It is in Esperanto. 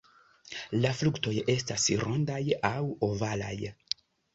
La fruktoj estas rondaj aŭ ovalaj.